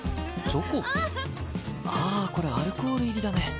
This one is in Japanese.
ああこれアルコール入りだね。